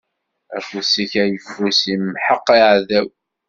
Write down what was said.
Afus-ik ayeffus imḥeq aɛdaw.